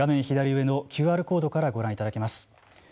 左上のＱＲコードからご覧いただけます。